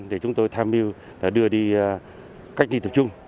để chúng tôi tham mưu đưa đi cách ly tập trung